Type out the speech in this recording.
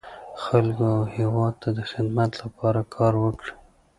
خلکو او هېواد ته د خدمت لپاره کار وکړي.